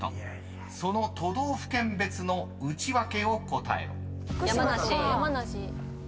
［その都道府県別のウチワケを答えろ］